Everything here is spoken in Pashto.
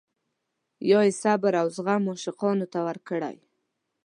یا یې صبر او زغم عاشقانو ته ورکړی.